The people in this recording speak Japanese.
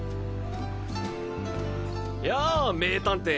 やあ名探偵！